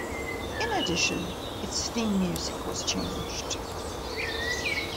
In addition, its theme music was changed.